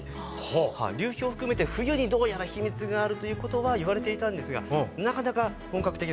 流氷含めて冬にどうやら秘密があるということはいわれていたんですがなかなか本格的な調査できなかったんですね。